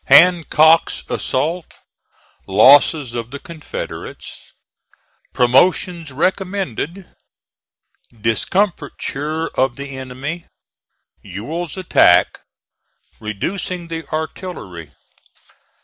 HANCOCK'S ASSAULT LOSSES OF THE CONFEDERATES PROMOTIONS RECOMMENDED DISCOMFITURE OF THE ENEMY EWELL'S ATTACK REDUCING THE ARTILLERY.